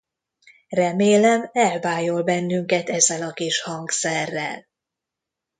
Remélem, elbájol bennünket ezzel a kis hangszerrel!